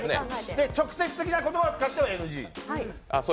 で、直接的な言葉を使ってはＮＧ。